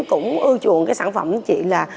cũng ưa chuộng cái sản phẩm chị là